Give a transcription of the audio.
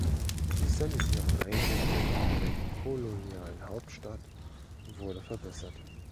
Die sanitären Einrichtungen in der kolonialen Hauptstadt wurde verbessert.